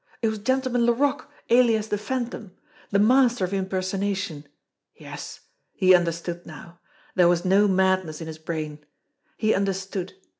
It was Gentleman Laroque, alias the Phantom! The master of impersonation! Yes, he understood now! There was no madness in his brain. He understood!